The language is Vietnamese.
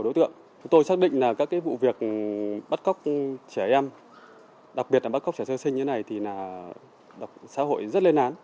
đặc biệt là bắt cóc trẻ sơ sinh như thế này thì xã hội rất lên án